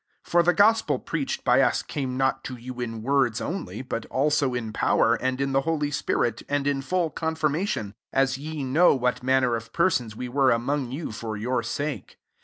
.5 For the gospel preached by us came not to you in words only, but also in power, and in the holy spirit, and in full con firmation ; as ye know what manner of persons we were among you for your sake.